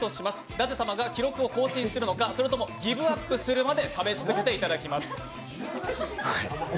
舘様が記録を更新するのか、ギブアップするまでやっていただきます。